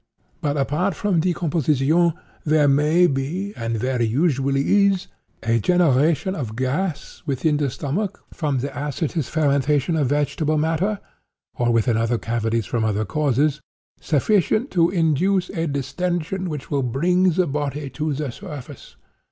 But, apart from decomposition, there may be, and very usually is, a generation of gas within the stomach, from the acetous fermentation of vegetable matter (or within other cavities from other causes), sufficient to induce a distension which will bring the body to the surface.